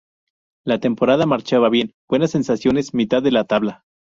La temporada marchaba bien, buenas sensaciones, mitad de la tabla.